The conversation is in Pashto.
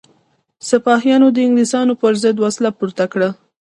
سپاهیانو د انګلیسانو پر ضد وسله پورته کړه.